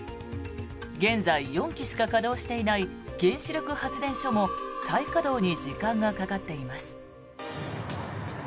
現在、４基しか稼働していない原子力発電所も再稼働に時間がかかっています。